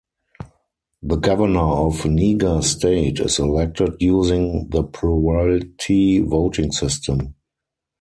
The Governor of Niger State is elected using the plurality voting system.